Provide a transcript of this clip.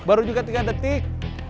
baru juga tiga detik